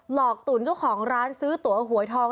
หลอกตุ๋นเจ้าของร้านซื้อตัวหวยทอง